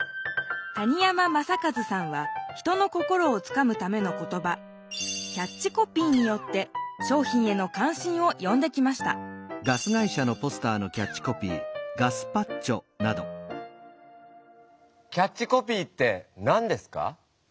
谷山雅計さんは人の心をつかむための言葉キャッチコピーによってしょうひんへのかん心をよんできましたキャッチコピーって何ですか？